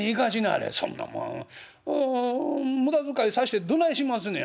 そんなもん無駄遣いさしてどないしますねや。